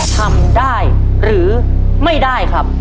ทำได้หรือไม่ได้ครับ